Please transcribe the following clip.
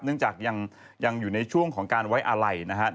เนื่องจากยังอยู่ในช่วงของการไว้อะไรนะครับ